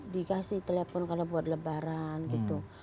dikasih telepon karena buat lebaran gitu